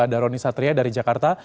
ada roni satria dari jakarta